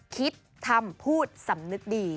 คิดทำพูดสำนึกดี